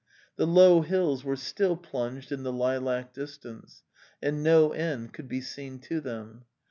The low hills were still plunged in the lilac dis tance, and no end could be seen to them.